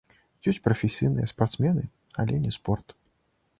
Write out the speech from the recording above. Ёсць прафесійныя спартсмены, але не спорт.